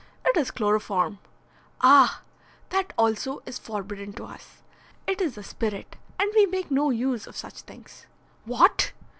"It is chloroform." "Ah, that also is forbidden to us. It is a spirit, and we make no use of such things." "What!